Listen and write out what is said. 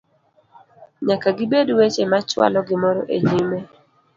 nyaka gibed weche machwalo gimoro e nyime